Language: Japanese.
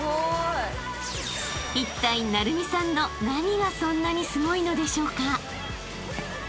［いったい晟弓さんの何がそんなにすごいのでしょうか？］